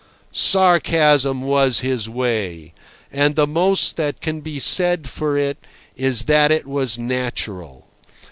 Sarcasm was "his way," and the most that can be said for it is that it was natural.